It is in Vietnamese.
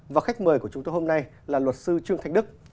và khách mời của chúng tôi hôm nay là luật sư trương thanh đức